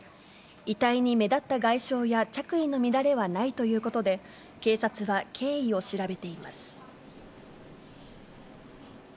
遺体に目立った外傷や着衣の乱れはないということで、警察は経緯あれ？